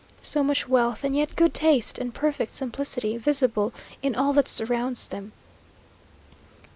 So much wealth and yet good taste and perfect simplicity visible in all that surrounds them!